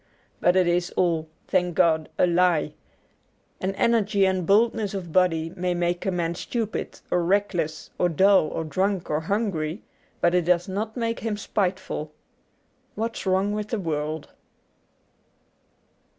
But it is all, thank God, a lie. An energy and boldness of body may make a man stupid or reckless or dull or drunk or hungry, but it does not make him spiteful. ^What's Wrong with the World.'